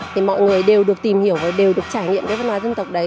thì mọi người đều được tìm hiểu và đều được trải nghiệm cái văn hóa dân tộc đấy